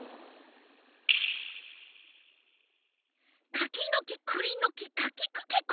かきのきくりのきかきくけこ！